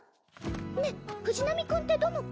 ねえ藤波君ってどの子？